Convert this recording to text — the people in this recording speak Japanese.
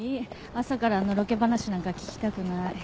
朝からのろけ話なんか聞きたくない。